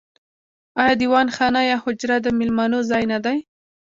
آیا دیوان خانه یا حجره د میلمنو ځای نه دی؟